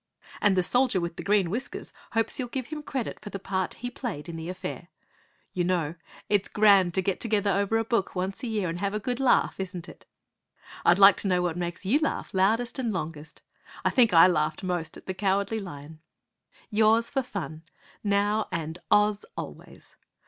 And the Soldier with Green Whiskers hopes you'll give him credit for the part he played in the affair! You know it's grand to get together over a book once a year and have a good laugh, isn't it? I'd like to know what makes you laugh loudest and longest.... I think I laughed most at the Cowardly Lion! Yours for fun now, and OZ always!